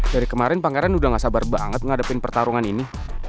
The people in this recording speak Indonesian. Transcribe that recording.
dari kemarin pangeran udah gak sabar banget menghadapi pertarungan ini